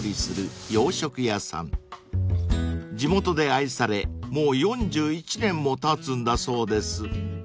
［地元で愛されもう４１年もたつんだそうです］